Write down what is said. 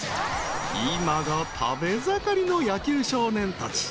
［今が食べ盛りの野球少年たち］